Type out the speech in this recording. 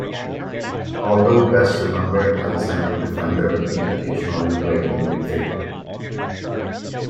Although best remembered as a central defender, he occasionally played in midfield.